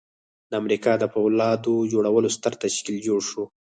د امریکا د پولاد جوړولو ستر تشکیل جوړ شو